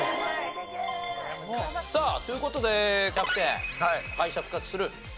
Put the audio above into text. さあという事でキャプテン敗者復活する？